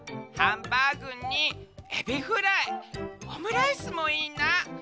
「ハンバーグにエビフライオムライスもいいな。